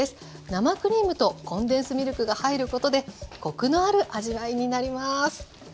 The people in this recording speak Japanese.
生クリームとコンデンスミルクが入ることでコクのある味わいになります。